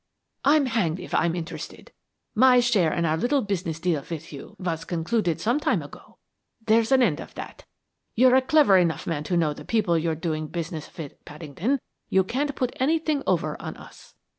"'I'm hanged if I'm interested. My share in our little business deal with you was concluded some time ago. There's an end of that. You're a clever enough man to know the people you're doing business with, Paddington. You can't put anything over on us.'